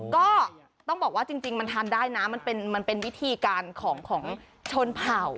ก็ต้องบอกว่าจริงมันทานได้นะมันเป็นวิธีการของชนเผ่า